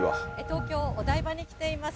東京・お台場に来ています。